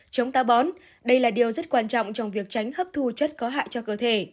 chống ta bón đây là điều rất quan trọng trong việc tránh hấp thu chất có hại cho cơ thể